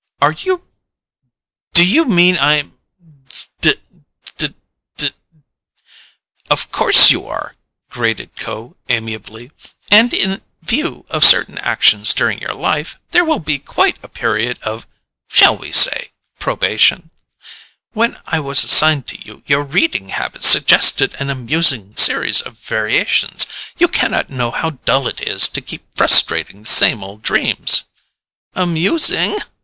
"Are you Do you mean I'm ... d d d ?" "Of course you are," grated Kho amiably. "And in view of certain actions during your life, there will be quite a period of shall we say probation. When I was assigned to you, your reading habits suggested an amusing series of variations. You cannot know how dull it is to keep frustrating the same old dreams!" "Amusing?"